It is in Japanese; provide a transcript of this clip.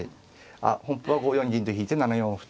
あっ本譜は５四銀と引いて７四歩と。